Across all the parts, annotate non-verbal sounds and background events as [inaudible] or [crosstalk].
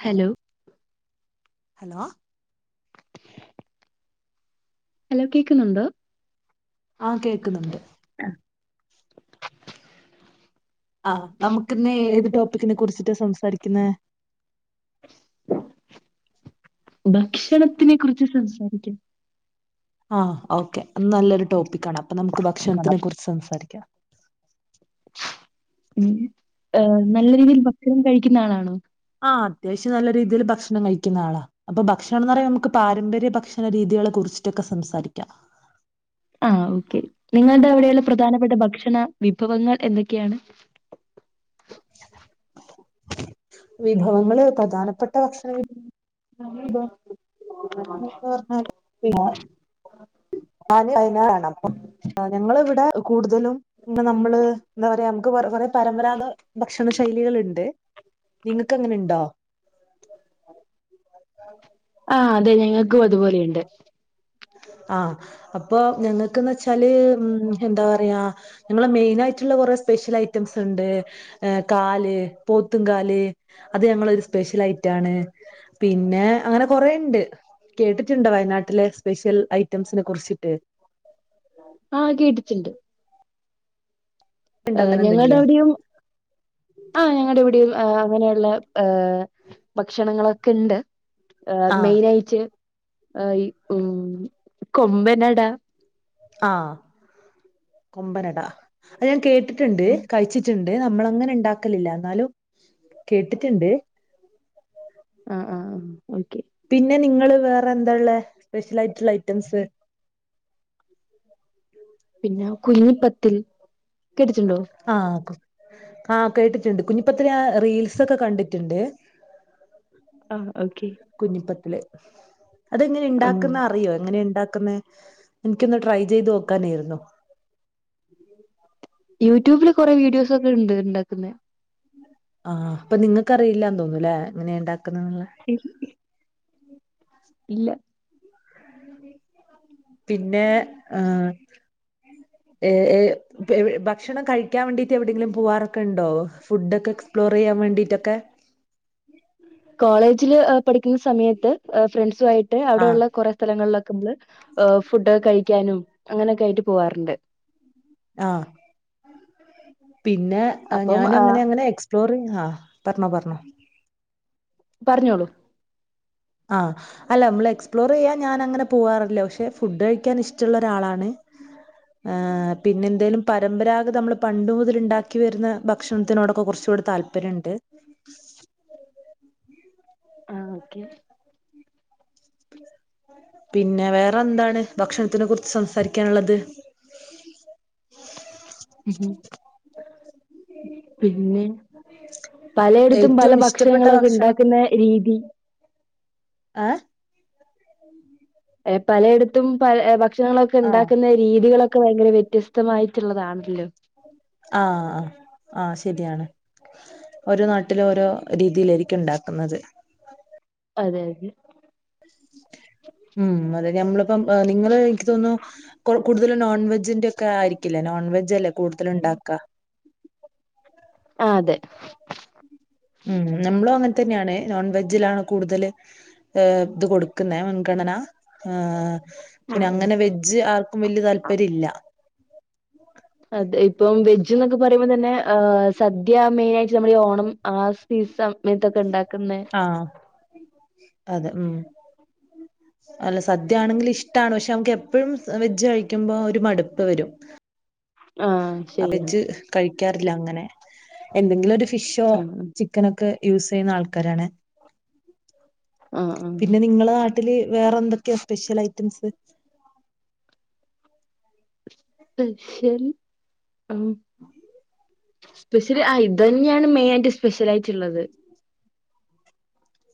Hello hello hello കേക്കുന്നുണ്ടോ? ആ കേൾക്കുന്നുണ്ട് അ ആ നമുക്കിന്ന് ഏത് ടോപ്പിക്കിനെ കുറിച്ചിട്ടാ സംസാരിക്കുന്നേ ഭക്ഷണത്തിനെ കുറിച്ച് [unintelligible] ആ ഓക്കെ അ നല്ലൊരു ടോപ്പിക്കാണ അപ്പൊ നമുക്ക് ഭക്ഷണത്തിനെ കുറിച്ച് സംസാരിക്കാം ഉം എ നല്ല രീതിയിൽ ഭക്ഷണം കഴി ക്കുന്ന ആളാണോ? ആ അത്യാവശ്യം നല്ല രീതിയില് ഭക്ഷണം കഴി ക്ക്ന്ന ആളാ അപ്പൊ ഭക്ഷണം ന്ന് പറയാ നമക്ക് പാരമ്പര്യ ഭക്ഷണ രീതി കളെ കുറിച്ചിട്ടൊക്കെ സംസാരിക്കാം ആ ഓക്കെ നിങ്ങൾടെ അവിടെള്ള പ്രധാനപ്പെട്ട ഭക്ഷണ വിഭവങ്ങൾ എന്തൊക്കെയാണ് വിഭവങ്ങള് പ്രധാനപ്പെട്ട ഭക്ഷണ വി [inaudible] ഞങ്ങള് ഇവിടെ കൂടുതലും ന്നെ നമ്മള് എന്താ പറയാ നമുക്ക് കൊർ കൊറേ പരമ്പരാത ഭക്ഷണ ശൈലികള്ണ്ട് നിങ്ങക്ക് അങ്ങനെ ഇണ്ടോ ആ അതെ ഞങ്ങക്കും അതുപോലെയ്ണ്ട് ആഹ അപ്പൊ ഞങ്ങക്ക്ന്ന് വെച്ചാല് എന്താ പറയാ ഞങ്ങളെ മെയിൻ ആയിട്ട്ള്ള കൊറേ സ്പെഷ്യൽ ഐറ്റംസ് ഇണ്ട് കാല് പോത്തും കാല് അത് ഞങ്ങളൊരു സ്പെഷ്യൽ ഐറ്റാണ് പിന്നെ അങ്ങനെ കൊറേണ്ട് കേട്ടിട്ട്ണ്ടോ വയനാട്ടില് സ്പെഷ്യൽ ഐറ്റംസിനെ കുറിച്ചിട്ട് ആഹ് കേട്ടിട്ട്ണ്ട് ഏ ഉണ്ടോ അങ്ങനെ ഞങ്ങൾടെ എന്തെങ്കിലും അവിടെയും ആ ഞങ്ങടെ ഇവിടെയും അങ്ങനെയ ള്ളെ ഭക്ഷണങ്ങളൊക്കെ ഇണ്ട് ആ ആഹ് മെയിനായിട്ട് ആ ഈ ഉം കൊമ്പനട ആ കൊമ്പനട അത് ഞാൻ കേട് ട്ടിട്ട്ണ്ട് ആഹ് കഴിച്ചിട്ട്ണ്ട് അ [unintelligible] നമ്മള അങ്ങനെ ഇണ്ടാക്കലില്ല എന്നാലും കേട്ടിട്ട്ണ്ട് ആ ആഹ് ആ ഓക്കെ പിന്നെ നിങ്ങള് വേറെ എന്താ ള്ളെ സ്പെഷ്യൽ ആയിട്ട്ള്ള ഐറ്റംസ് പിന്നെ കുഞ്ഞിപ്പത്തിൽ കേട്ടിട്ടുണ്ടോ ആ ആ കേട്ടിട്ട്ണ്ട് കുഞ്ഞിപ്പത്തിൽ ഞാ റീൽ സൊക്കെ കണ്ടിട്ട്ണ്ട് അ കുഞ്ഞിപ്പത്തില് അതെങ്ങനെ ആഹ് ഇണ്ടാക്ക്ന്നറിയോ എങ്ങനെ ഇണ്ട ക്ക്ന്നെ ഇനിക്കൊന്ന് ട്രൈ ചെയ്ത് നോക്കാനേയ്ര്ന്നു യൂട്യൂബില് കൊറെ വീഡിയോസ് ഒക്കെ ഇണ്ട് ഇണ്ടാക്കുന്നെ ആ പ്പൊ നിങ്ങക്ക്റിയില്ലാന്ന് തോന്നൂലെ എങ്ങനെ ഇണ്ടാ ക്ക്ന്നെന്ന്ള്ളെ ഇല്ല പിന്നെ ആ ഏഏ എവ് ഭക്ഷണം കഴിക്കാൻ വേണ്ടീട്ട് എവിടെങ്കിലും പൂവ്വാറൊക്കെ ഇൺ ടോ ഫുഡൊക്കെ എക്സ്പ്ലോറെയ്യാൻ വേണ്ടിട്ടൊക്കെ ജില് പഠിക്കുന്ന സമയത്ത് ഏ ഫ്രണ്ട്സ് സുവയിട്ട് ആഹ് അവിടെയുള്ള കൊറേ സ്ഥലങ്ങളിലൊ ക്കമ്മള് ഫുഡ് കഴിക്കാനും അങ്ങനൊക്കെ ആയിട്ട് പോവാറുണ്ട് ആ പിന്നെ അപ്പം ഞാനും ആ, അങ്ങനെ അങ്ങനെ എക്സ്പ്ലോറിംഗ ആ പറഞ്ഞോ പറഞ്ഞോ പറ്ഞ്ഞോളൂ ആ അല്ല മ്മള് എക്സ്പ്ലോറെയ്യാൻ ഞാനങ്ങനെ പോവാറില്ല പക്ഷെ ഫുഡ് കഴിക്കാൻ ഇഷ്ടള്ളാെരാളാണ് ഏ പിന്നെന്തേലും പരമ്പരാഗത മ്മള് പണ്ട് മുതല്ണ്ടാക്കി വര്ന്ന ഭക്ഷണത്തിനോടൊക്കെ കൊർച്ചൂടി താല്പര്യണ്ട് ആ ഓക്കെ പിന്നെ വേ റെന്താണ് ഭക്ഷണത്ത്നെ കുർ ച്ച് സംസാരിക്കാൻള്ളത് ഉഹും പിന്നെ പലയെടത്തും പല ഏറ്റവും ഇഷ്ടപ്പെട്ട ഭക്ഷണങ്ങളൊക്കെ ഭക്ഷണം ണ്ടാക്ക്ന്ന രീതി ഏഹ് എ പലയിടത്തും പല എ ഭ ആഹ് ഷണങ്ങളൊക്കെണ്ടാക്ക്ന്ന രീതികളൊക്കെ ഭയങ്കര വ്യത്യസ്തമായിട്ടുള്ളതാണല്ലോ. രിയാണ് ഓരോ നാട്ടിലും ഓരോ രീതിയിലായിരിക്കും ണ്ടാക്കുന്നത്. അതെ അതെ ഉം അതെ ഞമ്മള് പ്പം നിങ്ങൾ എനിക്ക് തോന്ന്ന്നു കൂടുതലും നോൺ വെജിന്റെക്കെ ആയിരിക്കില്ലേ നോൺ വെജ് അല്ലേ കൂടുതൽ ഉണ്ടാക്കാ. ആ അതെ ഉം നമ്മളും അങ്ങൻ തന്നെയാണ്. നോൺവെജ്ജിലാണ് കൂടുതൽ ഇത് കൊടുക്കുന്ന മുൻഗണന. ആ ആ പിന്നെ ഉം അങ്ങനെ വെജ് ആർക്കും വല്യ താല്പര്യല്ല. ഇപ്പം വെജ് എന്നൊക്കെ പറയുമ്പോ തന്നെ ഹ് സദ്യ മെയിനായിട്ട് നമ്മളീ ഓണം ആ സീസ മയത്തൊക്കെ ഉണ്ടാക് ആ അതെ ഉം അല്ല സദ്യ ആണെങ്കിൽ ഇഷ്ടമാണ് പക്ഷെ നമുക്ക് എപ്പഴും വെജ് കഴിക്കുമ്പോ ഒരു മടുപ്പ് വരും. ആഹ് ആ ശരിയാണ് വെജ് കഴിക് ക്കാറില്ല അങ്ങനെ എന്തെങ്കിലും ഒരു ഫിഷോ ആഹ് ചിക്കനൊക്കെ യൂസ് ചെയ്യുന്ന ആൾക്കാരാണ്. ആഹ് ആഹ് പിന്നെ നിങ്ങളെ നാട്ടി ട്ടില് വേറെ എന്തൊക്കെയാ സ്പെഷ്യൽ ഐറ്റംസ് സ്പെഷ്യൽ ഹ സ്പെഷ്യല് ആ ഇതന്നെയാണ് മെയിൻ ആയിട്ട് സ്പെഷ്യൽ ആയിട്ടുള്ളത്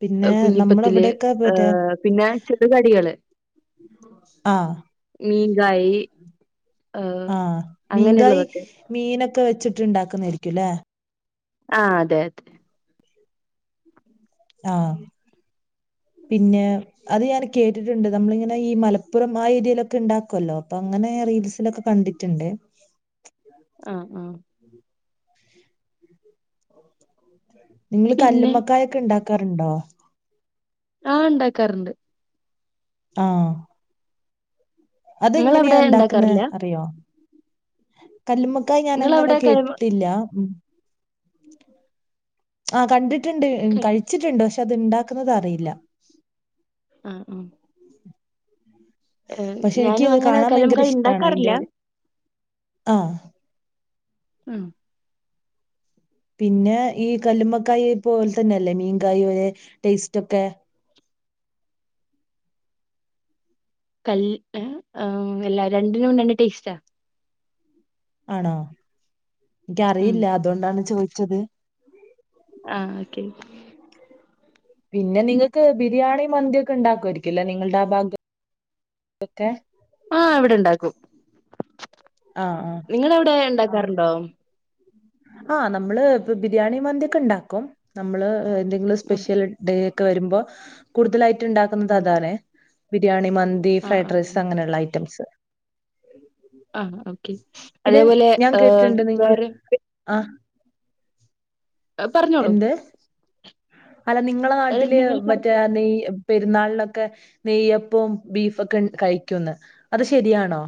പിന്നെ നമ്മളെ കുഞ്ഞിപ്പത്തില് ഇവിടെയൊക്കെ മറ്റേ പിന്നെ ചെറ് കടികള് മീൻ കായി ആ മീങ്കായി മീനൊക്കെ ക്കെ വെച്ചിട്ട് ഇണ്ടാക്കുന്നേയ്ര്ക്കുംല്ലേ ആ അതെ അതെ ആ പിന്നെ അത് ഞാൻ കേട്ടിട്ടുണ്ട് നമ്മളിങ്ങനെ ഈ മലപ്പുറം ആ ഏര്യയിലൊക്കെ ഉണ്ടാക്കൊല്ലോ അപ്പൊ അങ്ങനെ റീൽസിലൊക്കെ കണ്ടിട്ടുണ്ട് ആ ആ [unintelligible] നിങ്ങള് പിന്നെ കല്ലുമ്മക്കായഒക്കെ ഉണ്ടാക് ണ്ടാക്കാറുണ്ടോ ആ ഉണ്ടാക്കാറ്ണ്ട് ആഹ് അത് നിങ്ങളവിടെ എങ്ങനെയാ ഉണ്ടാക്ക്ന്നേ ഉണ്ടാക്കാറില്ല അറിയോ കല്ലുമ്മക്കായ ഞാനങ്ങനെ നിങ്ങളവിടെ കലം കേട്ടിട്ടില്ല ഉം ആ കണ്ടിട്ട് ണ്ട് കൽ കഴിച്ചിട്ടുണ്ട് പക്ഷെ അത്ണ്ടാക്കുന്നത് അറിയില്ല ആ ആ പക്ഷെ എനിക്ക് ഞാനും ഇത് അങ്ങനെ കാണാൻ ഭയങ്കര കല്ലുമക്കായ ഇഷ്ടാണ് അതിന്റെ ഇണ്ടാക്കാറില്ല ഒരു ആഹ് മ് പിന്നെ ഈ കല്ലുമക്കായെ പോലെ തന്നെല്ലേ മീൻകായോയെ ടേസ്റ്റ് ഒക്കെ കൽ എല്ലാ രണ്ടിനും രണ്ട് ടേസ്റ്റാ ആണോ ഉം എനിക്കറിയില്ല അതുകൊണ്ടാണ് ചോദി ച്ചത് ആഹ് ഓക്കെ പിന്നെ നിങ്ങക്ക് ബിരിയാണി മന്തിയൊക്കെ ഉണ്ടാക്കുമായിരിക്കൊല്ലെ നിങ്ങളുടെ ആ ഭാഗം ഒക്കെ ആഹ് ഇവിടെ ഇണ്ടാക്കും ആഹ് ആഹ് നിങ്ങടവിടെ ഉണ്ടാ ഇണ്ടാക്കാറുണ്ടോ ആഹ് നമ്മള് ഇപ്പ ബിരിയാണി മന്തിയൊക്കെ ഇണ്ടാക്കും നമ്മള് ഏഹ് എന്തെങ്കിലും ഉം സ്പെഷ്യല് ഡേ ഒക്കെ വരുമ്പോ കൂട്തലായി റ്റിണ്ടാക്കുന്നത് ഉം അതാണെ ബിരിയാണിം മന്തി, ആഹ് ഫ്രൈഡ് റൈസ് ആഹ് അങ്ങനൊള്ള ഐറ്റംസ് ആഹ് ഓക്കെ പിന്നെ അതേപോലെ ഞാൻ ആഹ്‌ കേട്ടിട്ടുണ്ട് നിങ്ങൾ വേറെ [unintelligible] ആഹ് ഏഹ് പറഞ്ഞോളൂ എന്ത് അല്ല നിങ്ങളെ അത് നാട്ടില് നിങ്ങൾ മറ്റേ പറഞ്ഞോ നെയ് പെരുന്നാളിനൊക്കെ നെയ്യപ്പോം ബീഫോക്കെ കഴിക്കൂന്ന് അത് ശെരിയാണോ?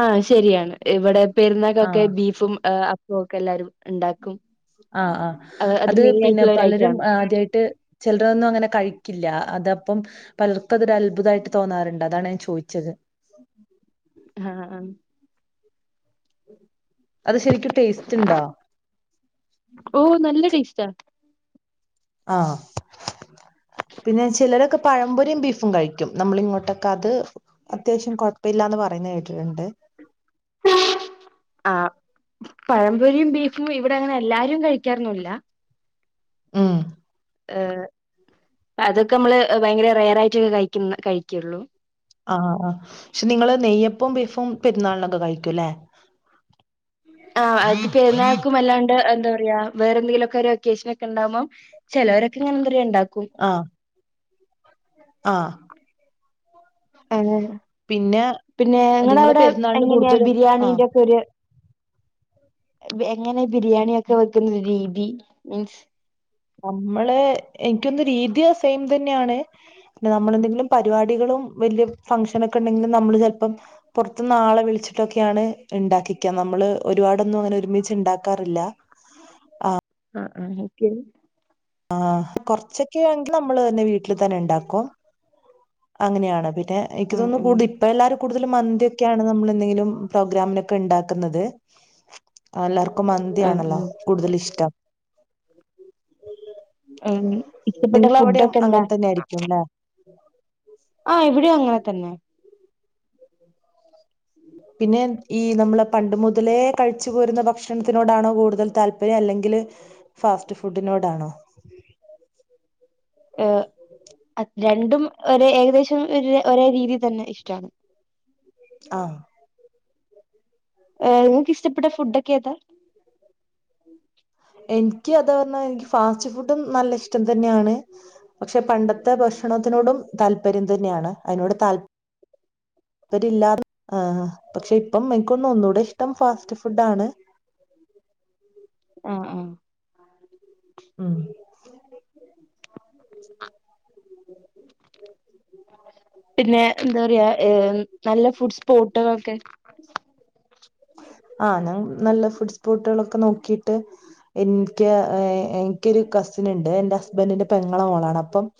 ആഹ് ശരിയാണ് ഇവിടെ പെരുന്നാക്കൊക്കെ ആഹ് ബീഫും ആഹ്‌ അപ്പവൊക്കെ എല്ലാരും ഇണ്ടാക്കും ആ ആഹ് അത് പിന്നെ ഒരു പലരും ഐറ്റാണ് ആദ്യായിട്ട് ചെലരൊന്നും അങ്ങനെ കഴിക്കില്ല അത പ്പം പലർക്കും അതൊരു അത്ഭുതായിട്ട് തോന്നാറ്ണ്ട് അതാണ് ഞാൻ ചോയിച്ചത് ആഹ് ആ അത് ശരിക്കും ടേസ്റ്റ് ഉണ്ടോ ഓ നല്ല ടേസ്റ്റാ ആഹ് പിന്നെ ചിലരൊക്കെ പഴംപൊരിയും ബീഫും കഴി ക്കും നമ്മളിങ്ങോട്ടൊക്കെ അത് അത്യാവശ്യം കൊഴപ്പില്ലാന്ന് പറയുന്നെ കേട്ടിട്ടുണ്ട്. ആഹ് പഴപൊരിയും ബീഫും ഇ വിടങ്ങനെ എല്ലാരും കഴിക്കാറൊന്നുല്ല ഉം എ് അതൊക്കെ അമ്മള് ഭയങ്കര റെയറായിട്ടൊക്കെയെ കഴിക്കുന്ന കഴിക്കൊള്ളൂ. പ്പും പെരുന്നാളിനൊക്കെ കഴിക്കുല്ലേ ആ അത് പെരുന്നാൾക്കും അല്ലാണ്ട് എം എന്താപറയാ വേറെന്തെങ്കിലൊക്കെ ഒര് ഒക്കേഷനൊക്കെയുണ്ടാകുമ്പം ചെലോരൊക്കെയിങ്ങനെ ന്താപറയ ഇണ്ടാക്കും ആ ആ എങ്ങനെ പിന്നെ പിന്നെ നിങ്ങള് ഇങ്ങടവിടെ പെരുന്നാളിന് എങ്ങനെയാ കൂടുതലും ആ ബിരിയാണീന്റെ ക്കെര് എങ്ങനെ ബിരിയാണിയൊക്കെ വെക്കുന്ന രീതി മീൻസ് നമ്മള് എൻക്കോന്നു രീതി സെയിം തന്നെയാണ്. പിന്നെ നമ്മളെന്തെങ്കിലും പരിപാടികളും വലിയ ഫംഗ്ഷനൊക്കെയു ണ്ടെങ്കിലും നമ്മള് ചെൽപ്പം പൊർത്ത്ന്നാളെ വിളിച്ചിട്ടൊക്കെയാണ് ഇണ്ടാക്കിക്ക നമ്മള് ഒരുപാടൊന്നും അങ്ങനെ ഒരുമിച്ച് ഇണ്ടാക്കാറില്ല ആ അ.. അ.. എനിക്ക് ആ.. കൊറച്ചൊക്കെയാണെങ്കിൽ നമ്മള് തന്നെ വീട്ടിൽ തന്നെയുണ്ടാക്കും. അങ്ങനെയാണ് പി- ഏ.. എനിക്ക് ആഹ് തോന്നുന്നു ആഹ് കൂടുതൽ ഇപ്പൊല്ലാവരും കൂടുതലും മന്തിയൊക്കെയാണ് നമ്മളെന്തെങ്കിലും പ്രോഗ്രാമിനൊക്കെയുണ്ടാക്കുന്നത്, ആണല്ലേ അപ്പം മന്തിയാണല്ലോ ആഹ് കൂടുതലിഷ്ടം. വലിയ ഉം.. ഇഷ്ടപ്പെട്ട ഫുഡൊക്കെ എന്താ? അങ്ങനെ തന്നെ ആയിരിക്കും ല്ലേ ആഹ് ഇവിടെയും അങ്ങനെ തന്നെ പിന്നെ ഈ നമ്മള് പണ്ടുമുതലേ കഴിച്ചു പോരുന്ന ഭക്ഷണത്തിനോടാണോ കൂടുതൽ താല്പര്യം, അല്ലെങ്കിൽ ഫാസ്റ്റ് ഫുഡിനോടാണോ ഏ.. അത്‌ലറ്റ് [unintelligible] രണ്ടും ഏകദേശം ഒരേ, ഒരേ രീതിയിൽ തന്നെയിഷ്ടാ ആ.. ഏ.. നിങ്ങൾക്കിഷ്ടപ്പെട്ട ഫുഡൊക്കെയേതാ? എനിക്കതാ പറഞ്ഞെ എനിക്ക് ഫാസ്റ്റ്ഫുഡും നല്ലയിഷ്ടംതന്നെയാണ്. പക്ഷേ പണ്ടത്തെ ഭക്ഷണത്തിനോടും താൽപര്യം തന്നെ ആണ് അതിനോട് താൽപ്പര്യംയില്ല [unintelligible] പക്ഷെ എനിക്ക് തോനുന്നു ഒന്നുടെ ഇഷ്ടം ഫാസ്റ്റ് ഫുഡ്‌ ആണ് അ.. അ.. ഉം.. പിന്നെ, എന്താപറയാ ഏ.. നല്ല ഫുഡ്സ്പോട്ടു കളൊക്കെ. ആ.. ഞാൻ നല്ല ഫുഡ്സ് പോട്ടുകളൊക്കെ, നോക്കിയിട്ട് എനിക്ക്, എനിക്കൊരു കസിനുണ്ട് എന്റെ ഹസ്ബൻഡിന്റെ പെങ്ങടെ മോളാണ് അപ്പം-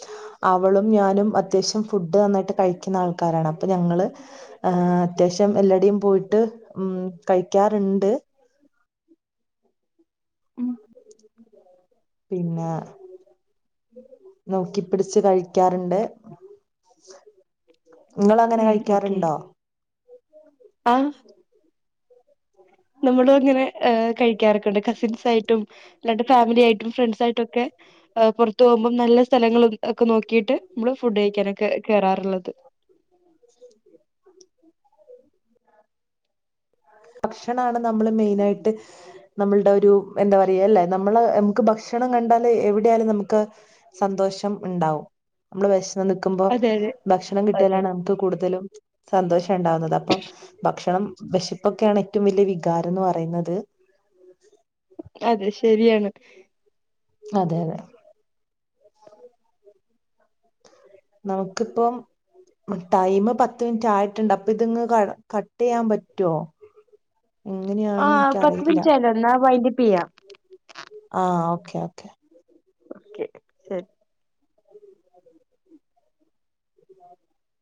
അവളും ഞാനും അത്യാവശ്യം ഫുഡ് നന്നായി ട്ട് കഴിക്കുന്ന ആൾക്കാരാണ് അപ്പം ഞങ്ങള് അത്യാവശ്യം എല്ലാവിടേയും പോയിട്ട് ഉം കഴിക്കാറുണ്ട്. ഉം പിന്നെ നോക്കിപ്പിടിച്ച് കഴിക്കാറുണ്ട്. നിങ്ങളങ്ങനെ ഉം ഓക്കെ കഴിക്കാറുണ്ടോ? ആഹ് നമ്മളും അങ്ങനെ കഴിക്കാറൊക്കുണ്ട് കസിൻസ് ആയിട്ടും അല്ലാണ്ട് ഫാമിലി ആയിട്ടും ഫ്രണ്ട്സ് ആയിട്ടും ഒക്കെ പുറത്തു പോകുമ്പോ നല്ല സ്ഥലങ്ങളും ഒക്കെ നോ ക്കീട്ട് മ്മള് ഫുഡ് കഴിക്കാ കേറാറിള്ളത്. ഭക്ഷണാണ് നമ്മള് മെയിനായിട്ട് നമ്മളുടെ ഒരു എന്താ പറയാ ല്ലേ നമ്മള് നമുക്ക് ഭക്ഷണം കണ്ടാല് എവിടെയാലും നമുക്ക് സന്തോഷം ഇണ്ടാവും നമ്മള് വെശ ന്ന് നിൽക്കുമ്പോ അതെ അതെ ഭക്ഷണം അതെ കിട്ട്യാലാണ് നമുക്ക് കൂടുതലും സന്തോഷം ഉണ്ടാവുന്നത് അപ്പം ഭക്ഷണം വെശ പ്പൊക്കെയാണ് ഏറ്റോം വല്ല്യ വികാരന്ന് പറയുന്നത്. അതെ ശരിയാണ്. അതെ അതെ. നമുക്കിപ്പം ടൈമ് പത്ത് മിനിറ്റ് ആയിട്ടുണ്ട് അപ്പോ ഇതങ്ങ് ക കട്ടെയ്യാൻ പറ്റോ? ആ പത്ത് മിനിറ്റായാലോ ന്നാ വൈൻഡ് പ്പെയ്യാം. ആ ഓക്കെ ഓക്കേ ഓക്കെ ശരി